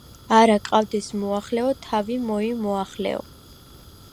არა გყავდეს მოახლეო, თავი მოიმოახლეო